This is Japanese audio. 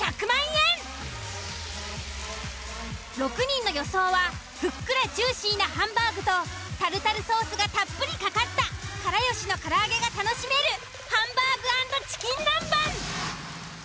６人の予想はふっくらジューシーなハンバーグとタルタルソースがたっぷりかかった「から好し」のから揚げが楽しめるハンバーグ＆チキン南蛮。